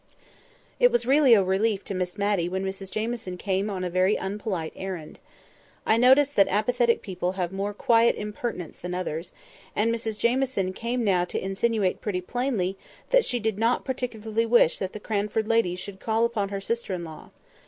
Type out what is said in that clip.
It was really a relief to Miss Matty when Mrs Jamieson came on a very unpolite errand. I notice that apathetic people have more quiet impertinence than others; and Mrs Jamieson came now to insinuate pretty plainly that she did not particularly wish that the Cranford ladies should call upon her sister in law.